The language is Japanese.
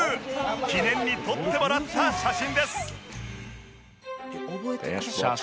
記念に撮ってもらった写真です